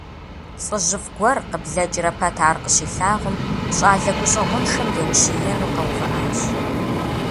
ЛӀыжьыфӀ гуэр, къыблэкӀрэ пэт ар къыщилъагъум, щӀалэ гущӀэгъуншэм еущиену къэувыӀащ.